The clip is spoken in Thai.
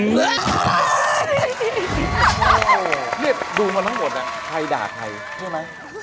นี่ดูมาทั้งหมดใครด่าใครใช่ไหม